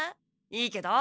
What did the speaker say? いいけど。